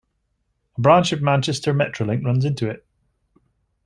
A branch of Manchester Metrolink runs into it.